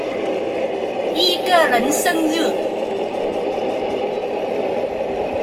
一個人生日